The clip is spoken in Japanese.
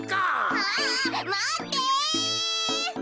あまって！